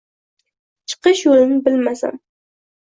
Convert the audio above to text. Chiqish yo‘lin bilmasam.